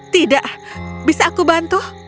tidak bisa aku bantu